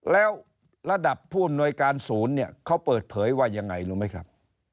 แล้วระดับผู้อำนวยการศูนย์เนี่ยเขาเปิดเผยว่ายังไงรู้ไหมครับ